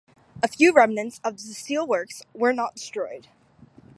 A few remnants of the steel works were not destroyed.